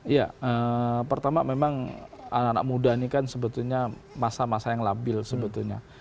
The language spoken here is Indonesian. ya pertama memang anak anak muda ini kan sebetulnya masa masa yang labil sebetulnya